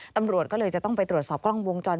ตำรวจก็เลยจะต้องไปตรวจสอบกล้องวงจร